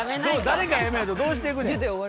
誰かやめないとどうしていくねん？